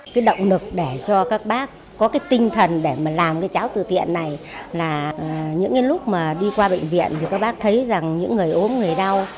cái động lực để cho các bác có cái tinh thần để mà làm cái cháu từ tiện này là những cái lúc mà đi qua bệnh viện thì các bác thấy rằng những người ốm người đau